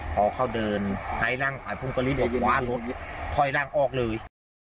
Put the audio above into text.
พอเข้าเดินไอ้ร่างไอ้พุงกะลิ้นบอกว่ารถคอยร่างออกเลย